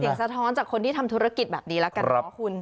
สะท้อนจากคนที่ทำธุรกิจแบบนี้แล้วกันเนาะคุณ